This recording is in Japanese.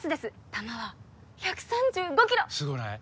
球は１３５キロすごない？